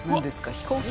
飛行機？